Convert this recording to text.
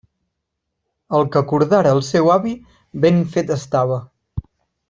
El que acordara el seu avi ben fet estava.